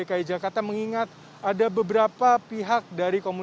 dan juga dari pemprov dki jakarta mengingat ada beberapa pihak dari komunitas sepeda